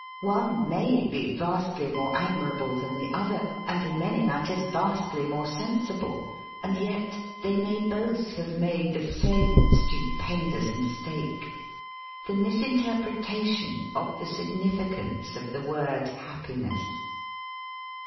One may be vastly more admirable than the other, and in many matters vastly more sensible. And yet they may both have made the same stupehdous mis take: the misinterpretation of the significance of the word happiness.